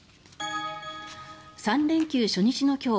３連休初日の今日